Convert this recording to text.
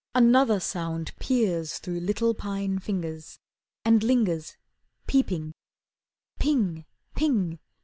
Another sound peers Through little pine fingers, And lingers, peeping. Ping!